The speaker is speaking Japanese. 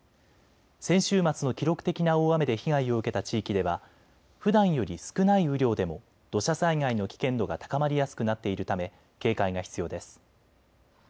先週末の記録的な大雨で被害を受けた地域ではふだんより少ない雨量でも土砂災害の危険度が高まりやすくなっているため警戒が必要です。